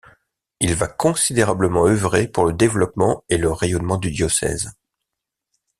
Il va considérablement œuvrer pour le développement et le rayonnement du diocèse.